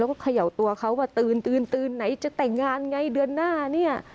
แล้วก็เขย่าตัวเขาว่าตื่นตื่นไหนจะแต่งงานไงเดือนหน้าเนี่ย